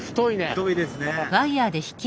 太いですね。